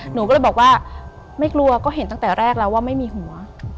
หนูก็เลยบอกว่าไม่กลัวก็เห็นตั้งแต่แรกแล้วว่าไม่มีหัว